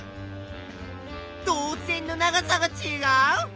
導線の長さがちがう？